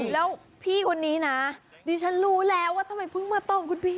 แล้วพี่คนนี้นะดิฉันรู้แล้วว่าทำไมเพิ่งมาตรงคุณพี่